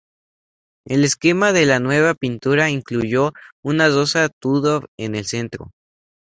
El esquema de la nueva pintura incluyó una rosa Tudor en el centro.